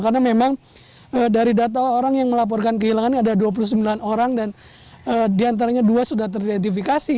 karena memang dari data orang yang melaporkan kehilangan ini ada dua puluh sembilan orang dan di antaranya dua sudah teridentifikasi